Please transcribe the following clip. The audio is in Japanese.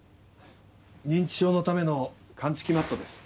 認知症のための感知器マットです。